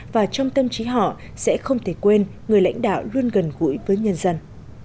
và trong tâm trí họ sẽ không thể quên người lãnh đạo luôn gần gũi với nhân dân